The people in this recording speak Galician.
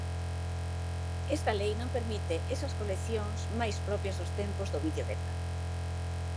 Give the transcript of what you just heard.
Esta lei non permite esas coleccións máis propias dos tempos do vídeo Beta.